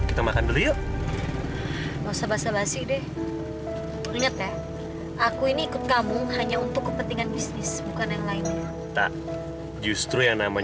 itu namanya kecernaan